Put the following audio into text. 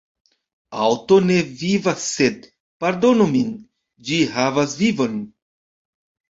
Aŭto ne vivas sed – pardonu min – ĝi havas vivon.